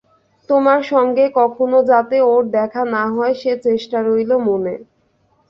তোমার সঙ্গে কখনো যাতে ওর দেখা না হয় সে চেষ্টা রইল মনে।